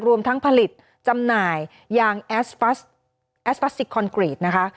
รวมทั้งผลิตจำหน่ายยางแอสพลาสติกคอนกรีตนะคะ